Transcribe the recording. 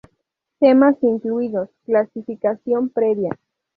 Temas incluidos: Clasificación previa.